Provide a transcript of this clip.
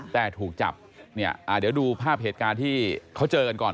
แต่ถูกจับเนี่ยเดี๋ยวดูภาพเหตุการณ์ที่เขาเจอกันก่อน